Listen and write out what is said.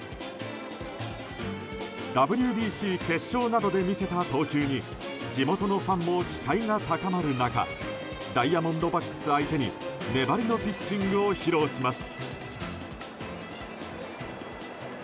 ＷＢＣ決勝などで見せた投球に地元のファンも期待が高まる中ダイヤモンドバックス相手に粘りのピッチングを披露します。